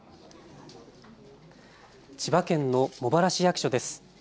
千葉県の茂原市役所です。